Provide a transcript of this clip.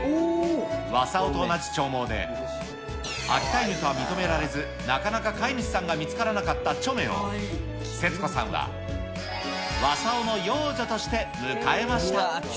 わさおと同じ長毛で、秋田犬とは認められず、なかなか飼い主さんが見つからなかったちょめを、節子さんはわさおの養女として迎えました。